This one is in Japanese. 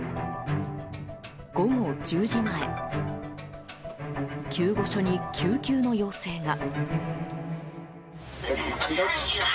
午後１０時前救護所に救急の要請が。